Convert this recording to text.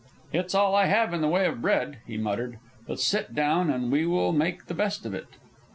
"It's all I have in the way of bread," he muttered; "but sit down and we will make the best of it."